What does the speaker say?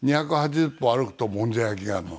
２８０歩歩くともんじゃ焼き屋があるの。